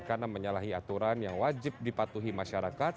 karena menyalahi aturan yang wajib dipatuhi masyarakat